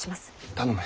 頼む。